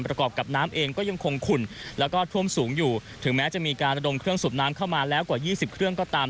ประกอบกับน้ำเองก็ยังคงขุ่นแล้วก็ท่วมสูงอยู่ถึงแม้จะมีการระดมเครื่องสูบน้ำเข้ามาแล้วกว่า๒๐เครื่องก็ตาม